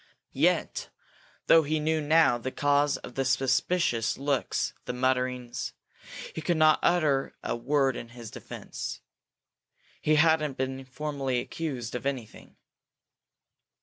Yet, though he knew now the cause of the suspicious looks, the mutterings, he couldn't utter a word in his defence. He hadn't been formally accused of anything.